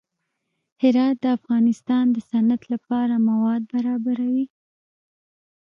هرات د افغانستان د صنعت لپاره مواد برابروي.